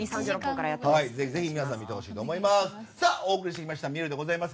ぜひ皆さん見てほしいと思います。